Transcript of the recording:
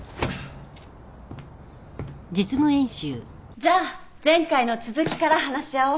じゃあ前回の続きから話し合おう。